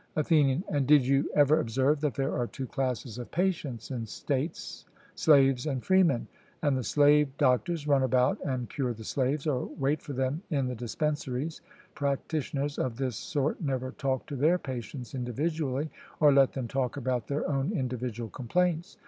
ATHENIAN: And did you ever observe that there are two classes of patients in states, slaves and freemen; and the slave doctors run about and cure the slaves, or wait for them in the dispensaries practitioners of this sort never talk to their patients individually, or let them talk about their own individual complaints?